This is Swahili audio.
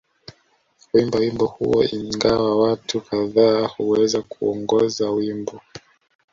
Kuimba wimbo huo ingawa watu kadhaa huweza kuongoza wimbo